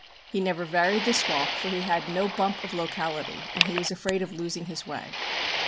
He never varied this walk for he had no bump of locality, and he was afraid of losing his way.